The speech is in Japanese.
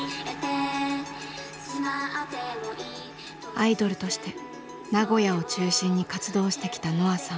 アイドルとして名古屋を中心に活動してきたのあさん。